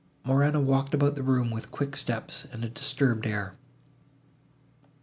Morano walked about the room, with quick steps, and a disturbed air.